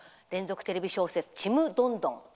連続テレビ小説「ちむどんどん」。